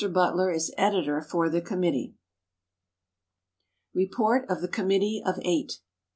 Butler is editor for the committee. Report of the Committee of Eight.